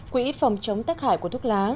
quỹ phòng chống tác hại của thuốc lá